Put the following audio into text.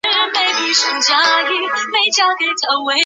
比西埃和普兰。